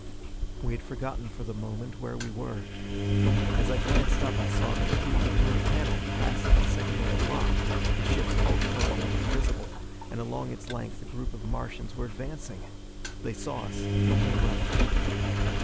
We had forgotten for the moment where we were. As I glanced up I saw that through the inner panel, past the secondary lock, the ship's hull corridor was visible, and along its length a group of Martians were advancing! They saw us, and came running.